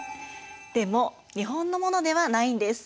でも日本のものではないんです。